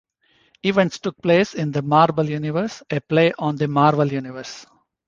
Events took place in the "Marble Universe", a play on the Marvel Universe.